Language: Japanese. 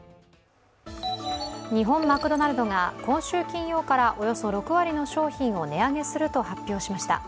日本マクドナルドが今週金曜からおよそ６割の商品を値上げすると発表しました。